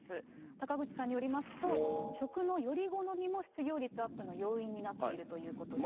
高口さんになりますと、職のより好みも失業率アップの要因になっているということです。